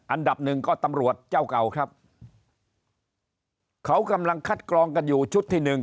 อันดับหนึ่งก็ตำรวจเจ้าเก่าครับเขากำลังคัดกรองกันอยู่ชุดที่หนึ่ง